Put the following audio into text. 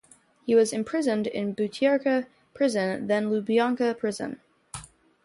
He was imprisoned in Butyrka Prison then Lubyanka Prison.